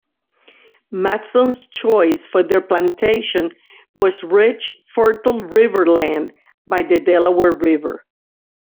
Mattson's choice for their plantation was rich, fertile river land by the Delaware River.